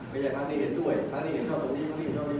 ไม่อย่างไรทั้งนี้เห็นด้วยทั้งนี้เห็นชอบตรงนี้ทั้งนี้เห็นชอบตรงนี้